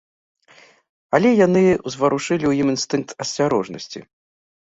Але яны ўзварушылі ў ім інстынкт асцярожнасці.